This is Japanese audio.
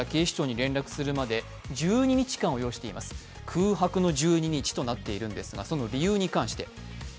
空白の１２日となっているんですがその理由に関して。